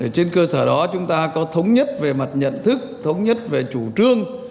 trên cơ sở đó chúng ta có thống nhất về mặt nhận thức thống nhất về chủ trương